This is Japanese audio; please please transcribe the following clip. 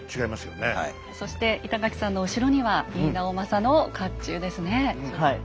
そして板垣さんの後ろには井伊直政の甲冑ですね。